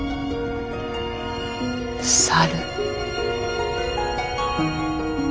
猿。